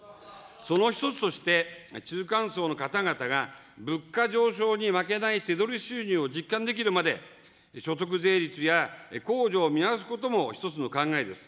その１つとして、中間層の方々が物価上昇に負けない手取り収入を実感できるまで、所得税率や控除を見直すことも１つの考えです。